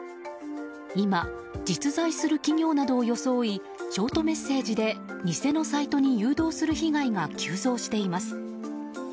今、実在する企業などを装いショートメッセージで偽のサイトに誘導する被害が急増しています。